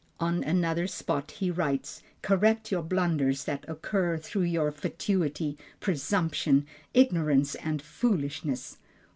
On another spot he writes: "correct your blunders that occur through your fatuity, presumption, ignorance and foolishness."